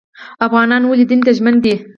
افغانان ولې دین ته ژمن دي؟